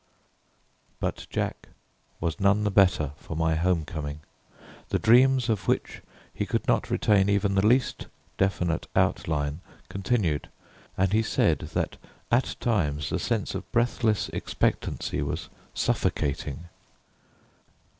But Jack was none the better for my home coming. The dreams of which he could not retain even the least definite outline continued, and he said that at times the sense of breathless expectancy was suffocating.